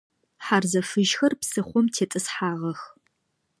Хьарзэ фыжьхэр псыхъом тетӏысхьагъэх.